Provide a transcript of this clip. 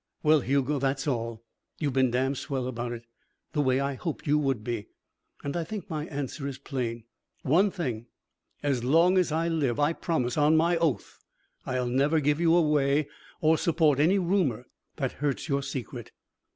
"Well, Hugo, that's all. You've been damn swell about it. The way I hoped you would be. And I think my answer is plain. One thing. As long as I live, I promise on my oath I'll never give you away or support any rumour that hurts your secret."